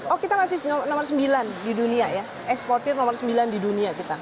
oh kita masih nomor sembilan di dunia ya ekspor tir nomor sembilan di dunia